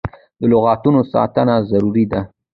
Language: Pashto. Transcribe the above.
د لغتانو ساتنه ضروري ده.